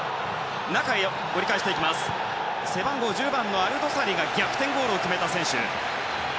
背番号１０番のアルドサリが逆転ゴールを決めた選手。